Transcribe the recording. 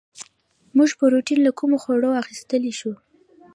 موږ پروټین له کومو خوړو اخیستلی شو